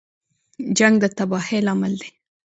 جنګ د تباهۍ لامل دی